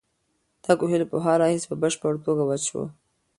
دا کوهی له پخوا راهیسې په بشپړه توګه وچ و.